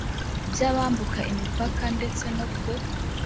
by abambuka imipaka ndetse no ku